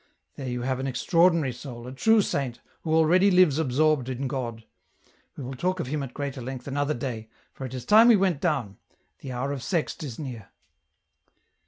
There you have an extraordinary soul, a true saint, who already lives absorbed in God. We will talk of him at greater length another day, for it is time we went down ; the hour of Sext is near.